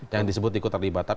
yang disebut di kota riba